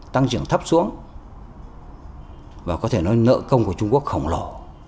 tăng trưởng thấp xuống và có thể nói nợ công của trung quốc khổng lồ